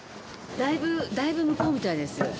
だいぶだいぶ向こうみたいです。